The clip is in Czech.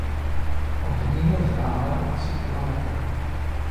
Od ní je vzdálen asi kilometr.